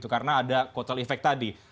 karena ada kuatal efek tadi